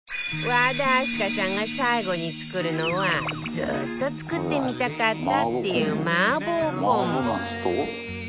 和田明日香さんが最後に作るのはずーっと作ってみたかったっていう麻婆コンボ